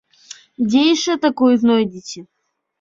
Дзе яшчэ такое знойдзеце?